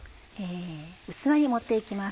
器に盛って行きます。